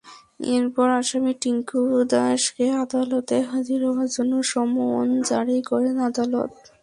এরপর আসামি টিংকু দাশকে আদালতে হাজির হওয়ার জন্য সমন জারি করেন আদালত।